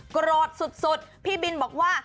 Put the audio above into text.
โกรธสุดพี่บินบอกว่า